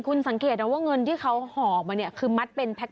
คุณสังเกตว่าเงินที่เขาห่อมาคือมัดเป็นแพ็ก